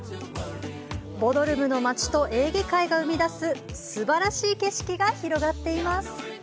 ボドルムの街とエーゲ海が生み出すすばらしい景色が広がっています。